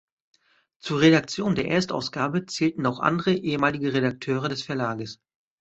Zur Redaktion der Erstausgabe zählten auch andere ehemalige Redakteure des Verlages.